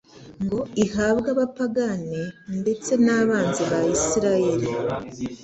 ngo ihabwe abapagane ndetse n'abanzi ba Isirayeli.